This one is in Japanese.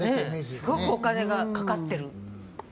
すごくお金がかかっている。